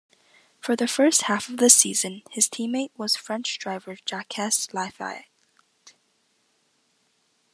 For the first half of the season his teammate was French driver Jacques Laffite.